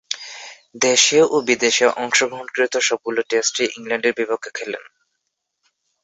দেশে ও বিদেশে অংশগ্রহণকৃত সবগুলো টেস্টই ইংল্যান্ডের বিপক্ষে খেলেন।